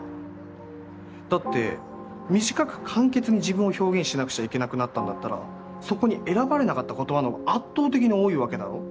だって短く簡潔に自分を表現しなくちゃいけなくなったんだったらそこに選ばれなかった言葉の方が圧倒的に多いわけだろ。